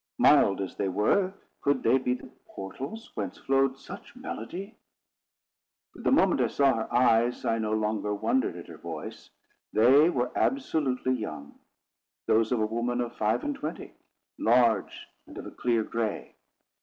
Mild as they were, could they be the portals whence flowed such melody? But the moment I saw her eyes, I no longer wondered at her voice: they were absolutely young—those of a woman of five and twenty, large, and of a clear gray.